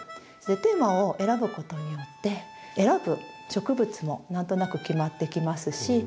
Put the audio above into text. テーマを選ぶことによって選ぶ植物も何となく決まってきますし